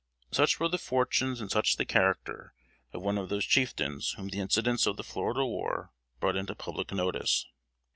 Such were the fortunes, and such the character, of one of those chieftains whom the incidents of the Florida War brought into public notice.